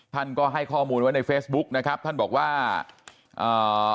ท่านก็ให้ข้อมูลไว้ในเฟซบุ๊กนะครับท่านบอกว่าอ่า